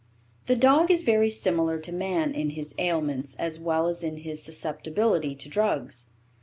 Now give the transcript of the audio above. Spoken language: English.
The dog is very similar to man in his ailments as well as in his susceptibility to drugs.